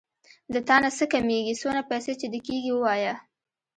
د تانه څه کمېږي څونه پيسې چې دې کېږي ووايه.